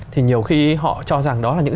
thì nhiều khi họ cho rằng đó là những